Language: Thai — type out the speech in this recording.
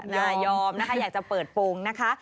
หมายอมหมายอมนะคะอยากจะเปิดโปรงนะคะ